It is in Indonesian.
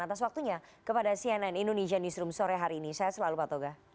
atas waktunya kepada cnn indonesia newsroom sore hari ini saya selalu pak toga